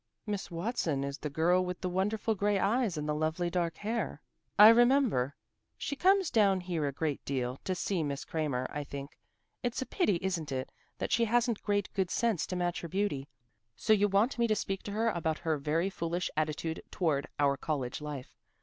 "Miss Watson is the girl with the wonderful gray eyes and the lovely dark hair. I remember. She comes down here a great deal to see Miss Cramer, I think. It's a pity, isn't it, that she hasn't great good sense to match her beauty? So you want me to speak to her about her very foolish attitude toward our college life.